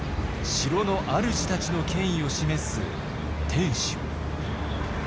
城のあるじたちの権威を示す天守。